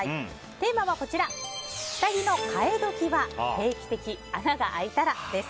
テーマは下着の替え時は定期的・穴があいたらです。